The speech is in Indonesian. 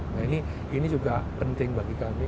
nah ini juga penting bagi kami